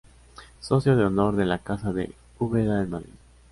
Socio de Honor de la Casa de Úbeda en Madrid.